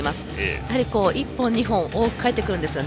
やはり１本、２本多く返ってくるんですよね。